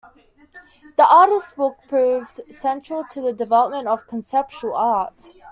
The artist's book proved central to the development of conceptual art.